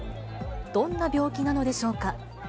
どんな病気なのでしょうか。